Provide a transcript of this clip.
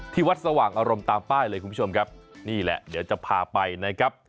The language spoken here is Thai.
วัดสว่างอารมณ์ตามป้ายเลยคุณผู้ชมครับนี่แหละเดี๋ยวจะพาไปนะครับ